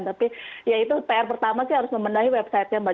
tapi ya itu pr pertama sih harus membenahi website nya mbak